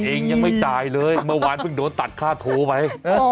ยังไม่จ่ายเลยเมื่อวานเพิ่งโดนตัดค่าโทรไป